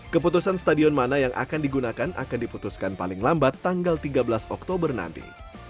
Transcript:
keputusan stadion mana yang akan digunakan akan diputuskan paling lambat tanggal tiga belas oktober nanti